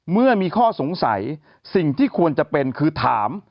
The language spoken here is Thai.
เมื่อมีข้อสงสัยสิ่งที่ควรจะเป็นคือถาม